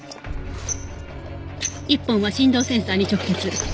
１本は振動センサーに直結。